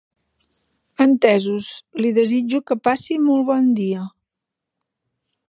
Entesos, li desitjo que passi molt bon dia.